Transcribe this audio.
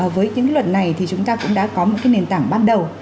với những luật này thì chúng ta cũng đã có một nền tảng ban đầu